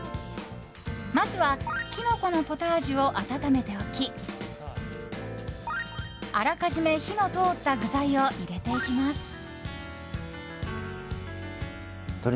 まずはキノコのポタージュを温めておきあらかじめ火の通った具材を入れていきます。